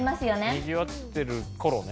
にぎわってる頃ね。